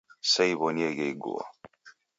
Seiw'onieghe iguo.